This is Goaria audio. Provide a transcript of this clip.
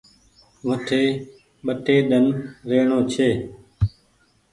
وٺي ٻٽي ۮن رهڻو ڇي